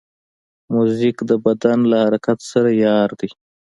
موزیک د بدن له حرکت سره یار دی.